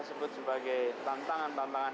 sebut sebagai tantangan tantangan